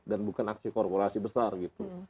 dan bukan aksi korporasi besar gitu